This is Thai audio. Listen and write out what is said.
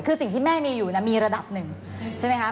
คือสิ่งที่แม่มีอยู่มีระดับหนึ่งใช่ไหมคะ